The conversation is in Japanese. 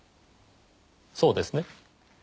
そうですね？